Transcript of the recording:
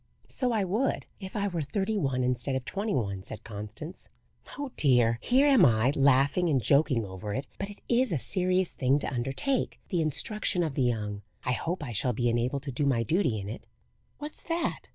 "So I would, if I were thirty one instead of twenty one," said Constance. "Oh dear! here am I, laughing and joking over it, but it is a serious thing to undertake the instruction of the young. I hope I shall be enabled to do my duty in it. What's that?"